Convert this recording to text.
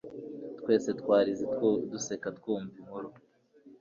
Twese twarize duseka twumvise inkuru